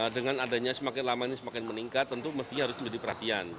dengan adanya semakin lama ini semakin meningkat tentu mestinya harus menjadi perhatian